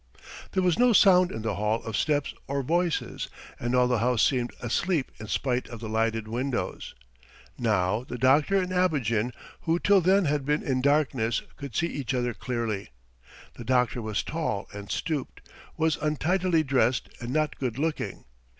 There was no sound in the hall of steps or voices and all the house seemed asleep in spite of the lighted windows. Now the doctor and Abogin, who till then had been in darkness, could see each other clearly. The doctor was tall and stooped, was untidily dressed and not good looking.